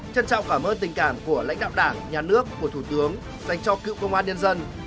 trân trọng cảm ơn tình cảm của lãnh đạo đảng nhà nước của thủ tướng dành cho cựu công an nhân dân